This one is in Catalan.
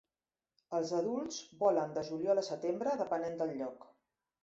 Els adults volen de juliol a setembre, depenent del lloc.